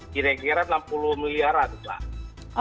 kira kira enam puluh miliaran pak